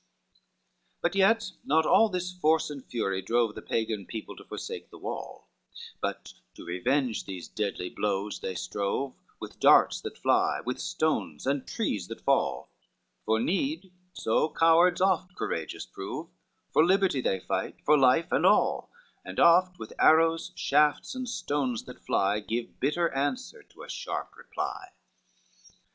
LXX But yet not all this force and fury drove The Pagan people to forsake the wall, But to revenge these deadly blows they strove, With darts that fly, with stones and trees that fall; For need so cowards oft courageous prove, For liberty they fight, for life and all, And oft with arrows, shafts, and stones that fly, Give bitter answer to a sharp reply.